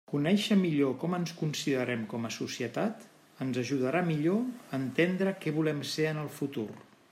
Conéixer millor com ens considerem com a societat ens ajudarà millor a entendre què volem ser en el futur.